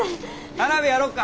花火やろっか！